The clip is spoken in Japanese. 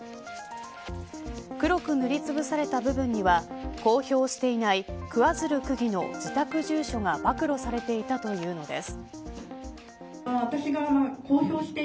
黒く塗りつぶされた部分には公表していない、桑水流区議の自宅住所が暴露されていたというのです。